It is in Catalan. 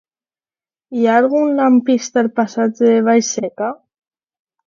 Hi ha algun lampista al passatge de Vallseca?